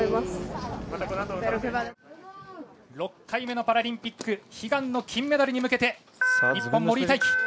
６回目のパラリンピック悲願の金メダルへ向けて日本、森井大輝。